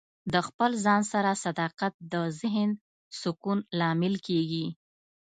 د خپل ځان سره صداقت د ذهن سکون لامل کیږي.